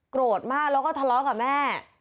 โกรธมากแล้วก็ทะเลาะกับแม่